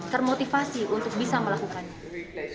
termotivasi untuk bisa melakukannya